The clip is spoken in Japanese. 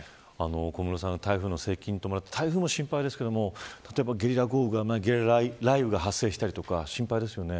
小室さん、台風の接近に伴って台風も心配ですがゲリラ豪雨や雷雨が発生したりと心配ですね。